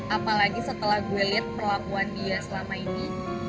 apalagi setelah gue lihat perlakuan dia selama ini